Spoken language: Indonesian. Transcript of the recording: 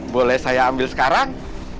boleh saya ambil sekarang